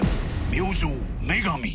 明星麺神。